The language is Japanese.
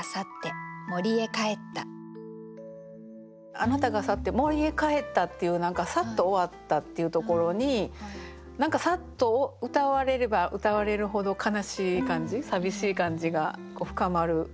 「あなたが去って森へ帰った」っていう何かサッと終わったっていうところに何かサッとうたわれればうたわれるほど悲しい感じ寂しい感じが深まる。